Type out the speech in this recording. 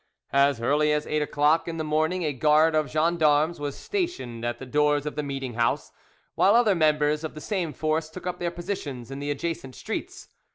As early as eight o'clock in the morning a guard of gens d'armes was stationed at the doors of the meeting house, while other members of the same force took up their positions in the adjacent streets.